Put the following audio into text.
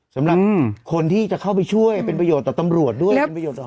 สำหรับคนที่จะเข้าไปช่วยเป็นประโยชน์ต่อตำรวจด้วยเป็นประโยชนต่อ